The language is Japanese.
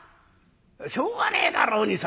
「しょうがねえだろうにさ。